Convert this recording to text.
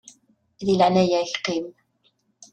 Di leɛnaya-k qqim!